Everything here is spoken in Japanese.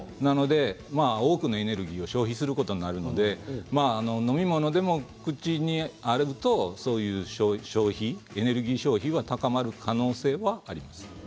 多くのエネルギーを消費することになるので飲み物でも口にあるとそういうエネルギー消費は高まる可能性があります。